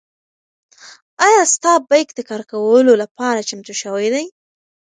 ایا ستا بیک د کار لپاره چمتو شوی دی؟